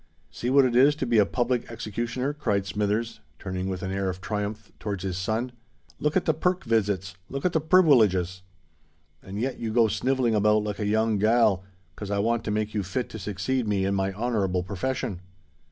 "See what it is to be a Public Executioner!" cried Smithers, turning with an air of triumph towards his son: "look at the perk visits—look at the priweleges! And yet you go snivelling about like a young gal, 'cos I want to make you fit to succeed me in my honourable profession."